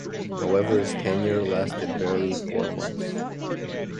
However, his tenure lasted barely four months.